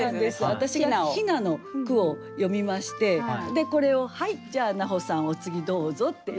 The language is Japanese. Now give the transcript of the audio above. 私がヒナの句を詠みましてでこれを「はいじゃあ菜穂さんお次どうぞ」って。